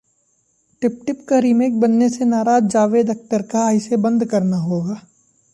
tip-tip... का remake बनने से नाराज जावेद अख्तर, कहा- इसे बंद करना होगा